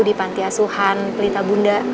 di pantiasuhan pelita bunda